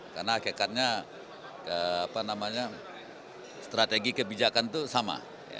karena hakikatnya strategi kebijakan itu sama